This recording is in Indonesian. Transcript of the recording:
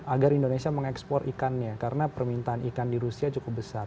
agar indonesia mengekspor ikannya karena permintaan ikan di rusia cukup besar